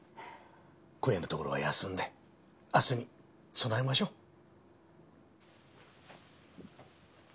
今夜のところは休んで明日に備えましょう。